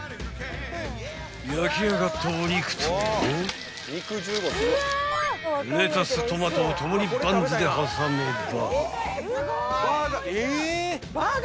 ［焼き上がったお肉とレタストマトを共にバンズで挟めば］